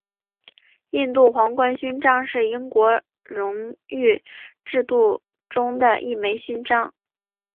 印度皇冠勋章是英国荣誉制度中的一枚勋章。